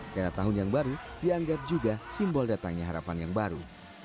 karena tahun yang baru dianggap juga simbol datangnya harapan yang baru